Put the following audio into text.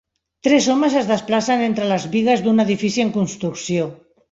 Tres homes es desplacen entre les bigues d'un edifici en construcció.